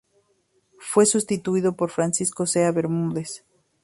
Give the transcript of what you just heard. Fue sustituido por Francisco Cea Bermúdez.